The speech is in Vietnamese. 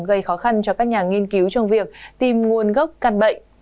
gây khó khăn cho các nhà nghiên cứu trong việc tìm nguồn gốc căn bệnh